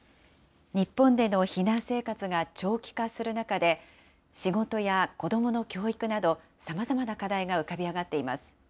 日本での避難生活が長期化する中で、仕事や子どもの教育など、さまざまな課題が浮かび上がっています。